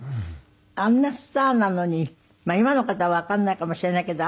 あんなスターなのに今の方はわからないかもしれないけど。